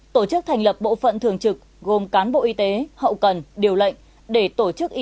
tổ chức thành lập bộ phận thường trực gồm cán bộ y tế hậu cần điều lệnh